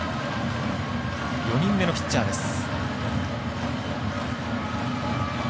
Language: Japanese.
４人目のピッチャーです。